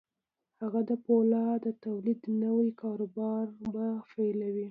هغه د پولادو د تولید نوی کاروبار به پیلوي